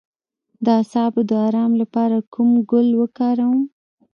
د اعصابو د ارام لپاره کوم ګل وکاروم؟